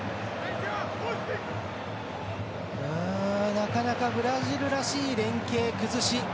なかなかブラジルらしい連係、崩し